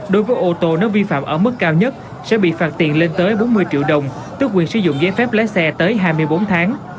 đối với ô tô nếu vi phạm ở mức cao nhất sẽ bị phạt tiền lên tới bốn mươi triệu đồng tước quyền sử dụng giấy phép lái xe tới hai mươi bốn tháng